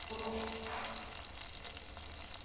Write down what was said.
ګوند باید پر کادرونو نظارت وکړي.